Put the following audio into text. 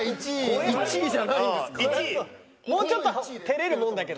もうちょっと。